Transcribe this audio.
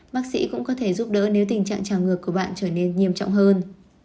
bác sĩ cũng có thể giúp đỡ nếu tình trạng trả ngược của bạn trở nên nghiêm trọng hơn